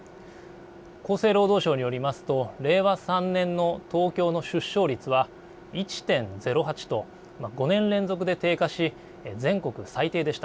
厚生労働省によりますと令和３年の東京の出生率は１．０８と５年連続で低下し全国最低でした。